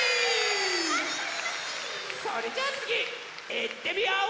それじゃあつぎいってみよう！